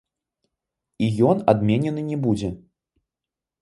І ён адменены не будзе.